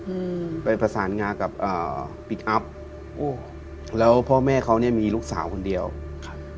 อืมไปประสานงากับอ่าพลิกอัพอแล้วพ่อแม่เขาเนี้ยมีลูกสาวคนเดียวครับ